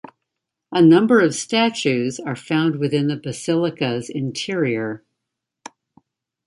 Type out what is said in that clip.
A number of statues are found within the basilica's interior.